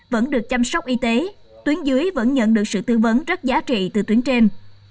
vẫn được chăm sóc y tế tuyến dưới vẫn nhận được sự tư vấn rất giá trị từ tuyến trên